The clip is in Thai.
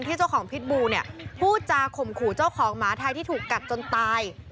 เจ้าของพิษบูเนี่ยพูดจาข่มขู่เจ้าของหมาไทยที่ถูกกัดจนตาย